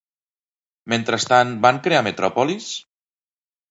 Mentrestant, van crear metròpolis?